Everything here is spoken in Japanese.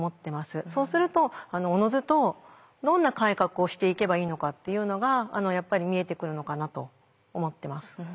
そうするとおのずとどんな改革をしていけばいいのかっていうのがやっぱり見えてくるのかなと思ってます。